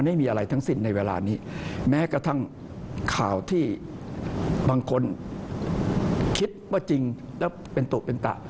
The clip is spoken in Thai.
ไม่มีอะไรทั้งสิ้นในเวลานี้แม้กระทั่งข่าวที่บางคนคิดว่าจริงแล้วเป็นตุเป็นตะ